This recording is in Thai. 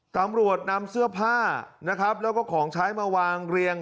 ตำรวจนำเสื้อผ้านะครับแล้วก็ของใช้มาวางเรียง